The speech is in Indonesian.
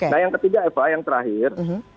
nah yang ketiga eva yang terakhir